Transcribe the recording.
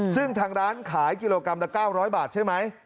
ซึ่งทางร้านขายกิโลกรัมละ๙๐๐บาทใช่ไหม